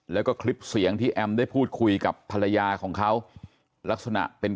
แล้วก็คลิปเสียงที่แอมได้พูดคุยกับภรรยาของเขาลักษณะเป็น